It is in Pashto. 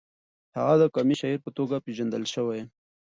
هغه د قامي شاعر په توګه پېژندل شوی.